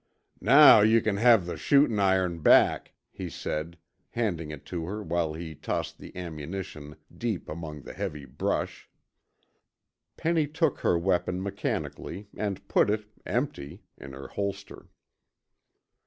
"Now you c'n have the shootin' iron back," he said, handing it to her while he tossed the ammunition deep among the heavy brush. Penny took her weapon mechanically and put it, empty, in her holster.